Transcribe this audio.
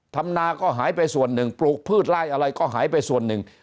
ทำนาก็หายไปส่วนหนึ่งปลูกพืชไล่อะไรก็หายไปส่วนหนึ่ง